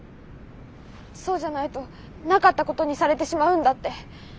そうじゃないとなかったことにされてしまうんだって。